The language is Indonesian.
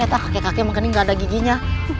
eta kakek kakek makan ini gak ada giginya